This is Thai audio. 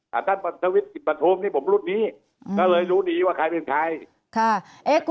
หากท่านสวิตรติดประทมนิยะผมรุ่นนี้ก็เลยรู้ดีว่าใครเป็นใครค่ะ